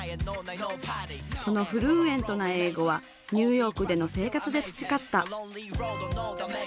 そのフルーエントな英語はニューヨークでの生活で培った。